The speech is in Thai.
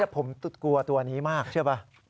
ผมตกัวตัวอันนี้มากเชื่อมั้ย